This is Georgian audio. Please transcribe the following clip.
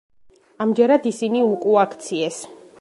ამჯერად ისინი უკუაქციეს.